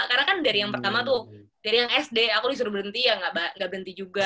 karena kan dari yang pertama tuh dari yang sd aku disuruh berhenti ya nggak berhenti juga